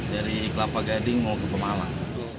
dari kelapa gading mau ke pemalang